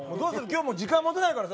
今日はもう時間持たないからさ